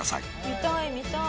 見たい見たい。